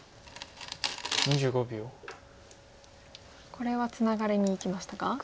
これはツナがりにいきましたか？